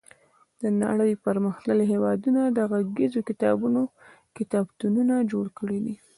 د نړۍ پرمختللي هېوادونو د غږیزو کتابونو کتابتونونه جوړ کړي دي.